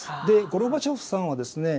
ゴルバチョフさんはですね